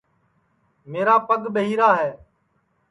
میرا پگ ٻہیرا ہے